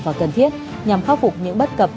và cần thiết nhằm khắc phục những bất cập